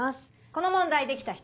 この問題できた人。